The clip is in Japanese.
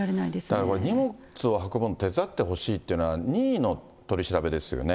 だから荷物を運ぶの手伝ってほしいというのは、任意の取り調べですよね。